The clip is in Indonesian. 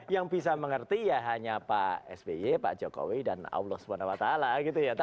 yang bisa mengerti ya hanya pak sby pak jokowi dan allah swt gitu ya